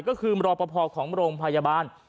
ก็คือรอปภของโรงพยาบาล